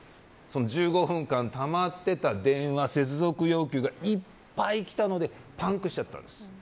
１５分間たまっていた電話接続要求がいっぱいきたのでパンクしちゃったんです。